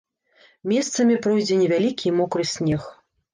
Месцамі пройдзе невялікі і мокры снег.